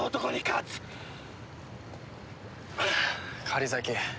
狩崎。